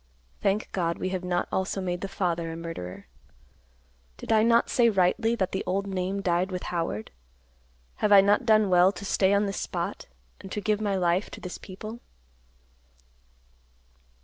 Thank God, we have not also made the father a murderer. Did I not say rightly, that the old name died with Howard? Have I not done well to stay on this spot and to give my life to this people?"